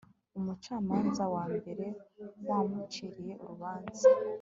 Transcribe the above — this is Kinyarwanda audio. Umucamanza wa mbere wamuciriye urubanza